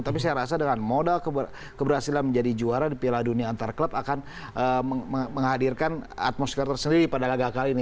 tapi saya rasa dengan modal keberhasilan menjadi juara di piala dunia antar klub akan menghadirkan atmosfer tersendiri pada laga kali ini